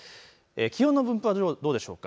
気温の分布はどうでしょうか。